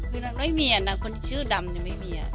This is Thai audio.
คือไม่มีอ่ะเนี่ยคุณชื่อดำคือไม่มีน่ะ